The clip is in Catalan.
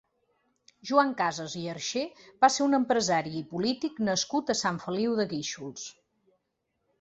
Joan Cases i Arxer va ser un empresari i polític nascut a Sant Feliu de Guíxols.